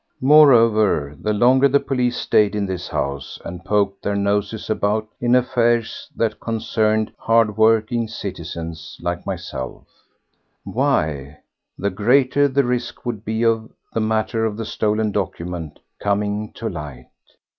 Moreover the longer the police stayed in this house and poked their noses about in affairs that concerned hardworking citizens like myself—why—the greater the risk would be of the matter of the stolen document coming to light.